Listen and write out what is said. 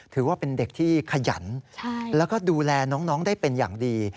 ถือว่าเป็นเด็กที่ขยันแล้วก็ดูแลน้องได้เป็นอย่างดี